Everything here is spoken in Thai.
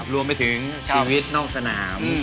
รวมไปถึงชีวิตนอกสนาม